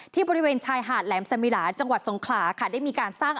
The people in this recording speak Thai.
บริเวณชายหาดแหลมสมิลาจังหวัดสงขลาค่ะได้มีการสร้าง